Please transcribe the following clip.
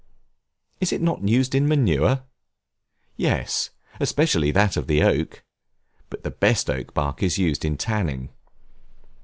Is it not also used in Manure? Yes, especially that of the oak; but the best oak bark is used in tanning.